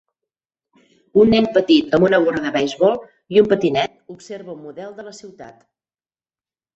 Un nen petit amb una gorra de beisbol i un patinet observa un model de la ciutat.